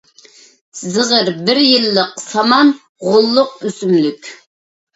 زىغىر — بىر يىللىق سامان غوللۇق ئۆسۈملۈك.